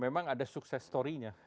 dan memang ada sukses story nya